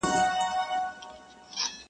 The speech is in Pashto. پر ما تور د میني تور دی لګېدلی تورن نه یم-